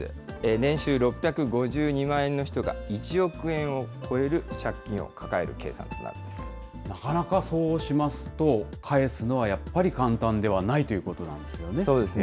年収６５２万円の人が１億円を超なかなかそうしますと、返すのはやっぱり簡単ではないということなんですよね。